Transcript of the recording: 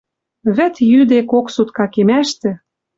Вӹд йӱде кок сутка кемӓштӹ.